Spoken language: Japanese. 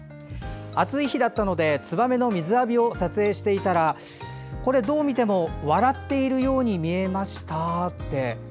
暑い日だったのでツバメの水浴びを撮影していたらどう見ても笑っているように見えました。